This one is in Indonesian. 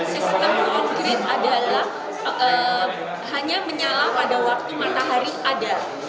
sistem on grid adalah hanya menyalak pada waktu matahari ada